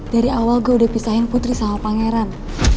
dari awal gue udah pisahin putri sama pangeran